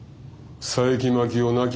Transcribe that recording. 佐伯真樹夫亡き